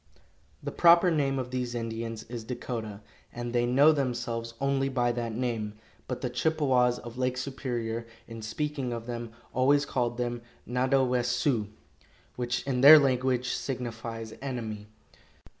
The proper name of these Indians is Dakota, and they know themselves only by that name, but the Chippewas of Lake Superior, in speaking of them, always called them, "Nadowessioux," which in their language signifies "enemy."